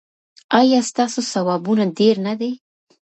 ایا ستاسو ثوابونه ډیر نه دي؟